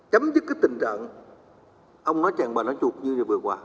chấm dứt cái tình trạng